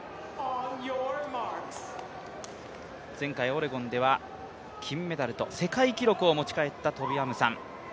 前回オレゴンでは金メダルと世界記録を持ち帰ったトビ・アムサン。